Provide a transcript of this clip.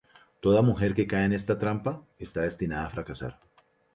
Toda mujer que cae en esta trampa está destinada a fracasar.